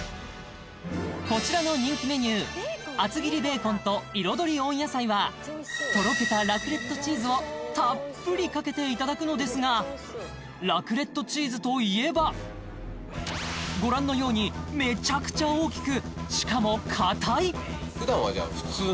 こちらの人気メニューはとろけたラクレットチーズをたっぷりかけていただくのですがラクレットチーズといえばご覧のようにめちゃくちゃ大きくしかも硬いいえ